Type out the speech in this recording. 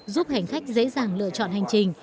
giúp hành khách dễ dàng lựa chọn hành trình